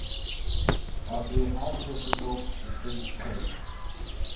Абри акзаҵәык ауп иҿы иҭшәаз.